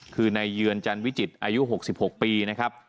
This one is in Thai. คือในเยือนจันวิจิตอายุหกสิบหกปีนะครับ